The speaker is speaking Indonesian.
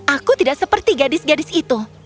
aku tidak seperti gadis gadis itu